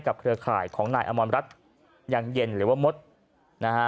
เครือข่ายของนายอมรรัฐยังเย็นหรือว่ามดนะฮะ